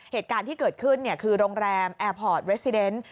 เหตุการณ์ที่เกิดขึ้นคือโรงแรมแอร์พอร์ตเรสซิเดน